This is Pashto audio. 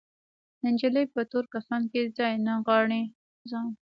نجلۍ په تور کفن کې ځان نغاړلی